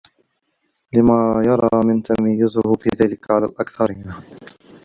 لِمَا يَرَى مِنْ تَمَيُّزِهِ بِذَلِكَ عَنْ الْأَكْثَرِينَ